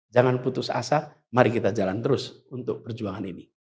jangan putus asa mari kita jalan terus untuk perjuangan ini